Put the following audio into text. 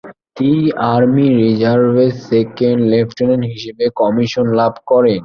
তিনি আর্মি রিজার্ভে second lieutenant হিসেবে কমিশন লাভ করেন।